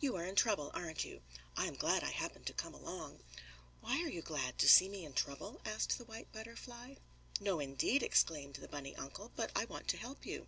"You are in trouble, aren't you? I'm glad I happened to come along." "Why are you glad; to see me in trouble?" asked the white butterfly. "No, indeed!" exclaimed the bunny uncle. "But I want to help you."